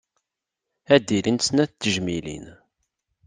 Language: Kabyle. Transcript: Ad d-ilint snat n tejmilin.